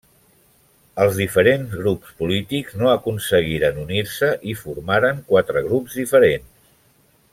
Els diferents grups polítics no aconseguiren unir-se i formaren quatre grups diferents.